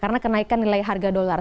karena kenaikan nilai harga dolar